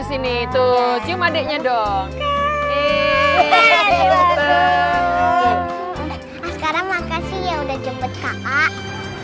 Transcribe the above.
sekarang makasih ya udah jemput kakak